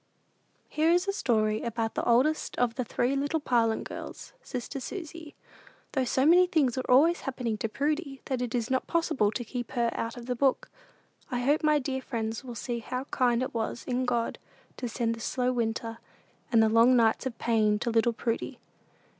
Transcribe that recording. Here is a story about the oldest of the three little Parlin girls, "sister Susy;" though so many things are always happening to Prudy that it is not possible to keep her out of the book. I hope my dear little friends will see how kind it was in God to send the "slow winter" and the long nights of pain to little Prudy.